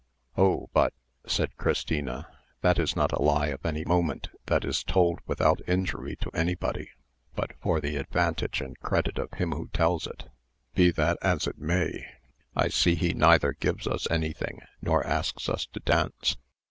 "Oh, but," said Christina, "that is not a lie of any moment that is told without injury to anybody, but for the advantage and credit of him who tells it. Be that as it may, I see he neither gives us anything, nor asks us to dance."